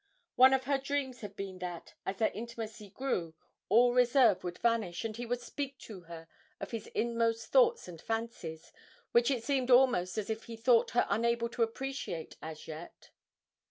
One of her dreams had been that, as their intimacy grew, all reserve would vanish, and he would speak to her of his inmost thoughts and fancies, which it seemed almost as if he thought her unable to appreciate as yet.